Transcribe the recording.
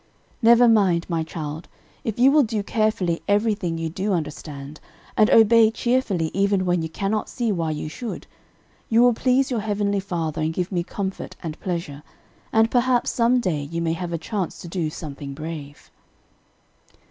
"Never mind, my child, if you will do carefully everything you do understand, and obey cheerfully even when you cannot see why you should, you will please your heavenly Father and give me comfort and pleasure, and perhaps some day you may have a chance to do something brave."